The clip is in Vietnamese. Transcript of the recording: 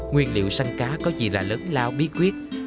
nguyên liệu xanh cá có gì là lớn lao bí quyết